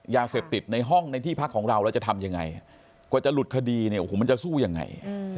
ในห้องในที่พักของเราเราจะทำยังไงกว่าจะหลุดคดีเนี่ยโอ้โหมันจะสู้ยังไง